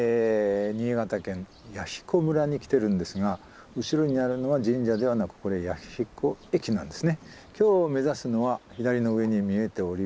新潟県弥彦村に来てるんですが後ろにあるのは神社ではなくこれ弥彦駅なんですね。